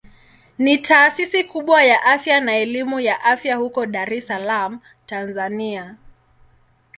Ni taasisi kubwa ya afya na elimu ya afya huko Dar es Salaam Tanzania.